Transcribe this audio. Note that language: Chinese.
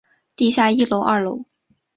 地下一楼二楼